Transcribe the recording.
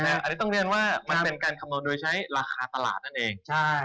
อันนี้ต้องเรียนว่ามันเป็นการคำนวณโดยใช้ราคาตลาดนั่นเอง